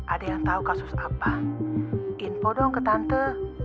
ada yang tahu kasus apa info dong ke tante